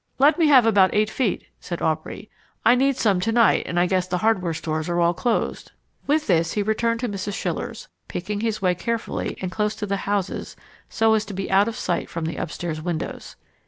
"Let me have about eight feet," said Aubrey. "I need some to night and I guess the hardware stores are all closed." With this he returned to Mrs. Schiller's, picking his way carefully and close to the houses so as to be out of sight from the upstairs windows.